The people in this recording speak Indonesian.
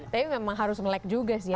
tapi memang harus melek juga sih ya